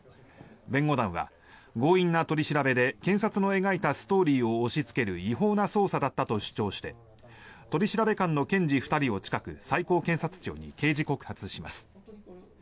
弁護団は強引な取り調べで検察の描いたストーリーを押しつける違法な捜査だったと主張して取調官の検事２人を近く最高検察庁に刑事告発します。